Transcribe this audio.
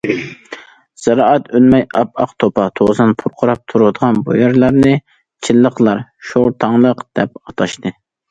زىرائەت ئۈنمەي ئاپئاق توپا- توزان پۇرقىراپ تۇرىدىغان بۇ يەرلەرنى چىنلىقلار« شورتاڭلىق» دەپ ئاتاشتى.